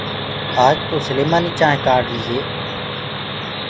آج تو سليمآني چآنه ڪآڙهري هي